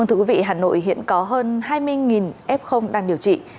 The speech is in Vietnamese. hà nội hiện có hơn hai mươi f đang điều trị